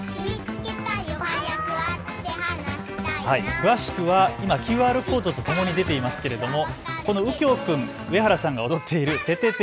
詳しくは今、ＱＲコードとともに出ていますけれどもこのうきょう君、上原さんが踊っているててて！